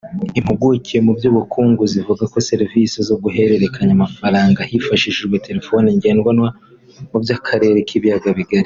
Impuguke mu by’ubukungu zivuga ko serivisi zo guhererekanya amafaranga hifashishijwe telefoni ngendanwa mu karere k’ibiyaga bigari